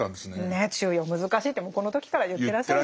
ねえ中庸難しいってもうこの時から言ってらっしゃるんですね。